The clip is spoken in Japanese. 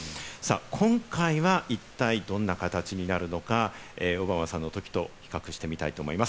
今回は一体どんな形になるのか、オバマさんのときと比較してみたいと思います。